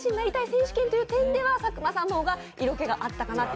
選手権という点では佐久間さんの方が色気があったのかなと。